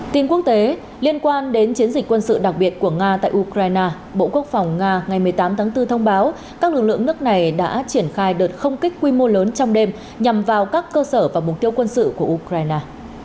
tin quốc tế liên quan đến chiến dịch quân sự đặc biệt của nga tại ukraine bộ quốc phòng nga ngày một mươi tám tháng bốn thông báo các lực lượng nước này đã triển khai đợt không kích quy mô lớn trong đêm nhằm vào các cơ sở và mục tiêu quân sự của ukraine